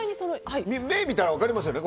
目見たら分かりますよね。